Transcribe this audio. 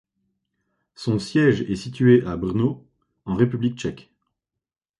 Son siège est situé à Brno en République tchèque.